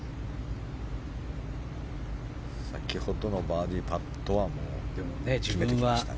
先ほどのバーディーパットは決めてきましたが。